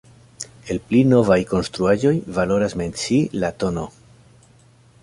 El pli novaj konstruaĵoj valoras mencii la tn.